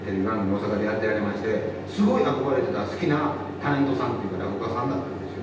大阪でやってられましてすごい憧れてた好きなタレントさんというか落語家さんだったんですよ。